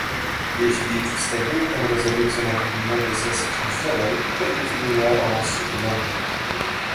Jeśli przedstawimy tę rezolucję na grudniowej sesji częściowej, będzie wtedy miała ona trzy tygodnie